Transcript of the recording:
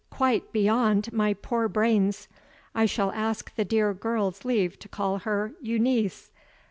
Quite beyond my poor brains! I shall ask the dear girl's leave to call her Euneece.